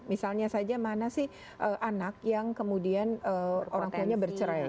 misalnya saja mana sih anak yang kemudian orang tuanya bercerai